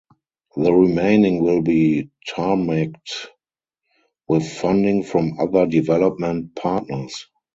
The remaining will be tarmacked with funding from other development partners.